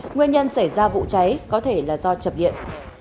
nguyên nhân xảy ra vụ cháy có thể là do chập điện